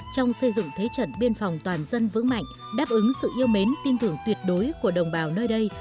trong xây dựng thế trận biên phòng toàn dân vững mạnh đáp ứng sự yêu mến tin tưởng tuyệt đối của đồng bào nơi đây